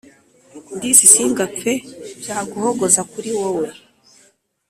Disi singapfe byaguhogoza kuri wowe